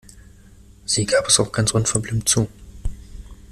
Sie gab es auch ganz unverblümt zu.